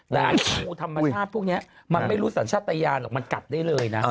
แต่ไอ้งูธรรมชาติพวกนี้มันไม่รู้สัญชาติยานหรอกมันกัดได้เลยนะ